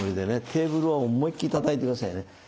テーブルを思いっきりたたいて下さいね。